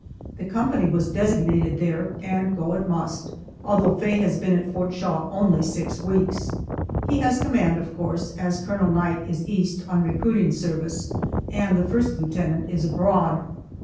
The company was designated there, and go it must, although Faye has been at Fort Shaw only six weeks. He has command, of course, as Colonel Knight is East on recruiting service, and the first lieutenant is abroad.